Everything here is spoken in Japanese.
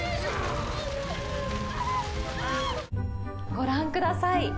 ご覧ください。